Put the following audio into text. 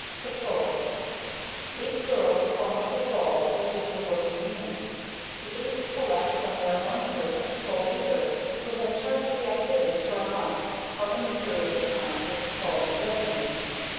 Patrol. Eight girls form a Patrol which is the working unit. The eight select from their own group a Patrol Leader who has charge of the activities for a month or any period of time the Patrol may designate.